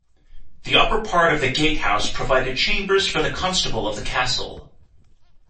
The upper part of the gatehouse provided chambers for the constable of the castle.